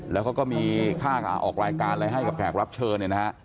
แล้วเขาก็มีค่าออกรายการอะไรให้กับแขกรับเชิญเนี่ยนะฮะ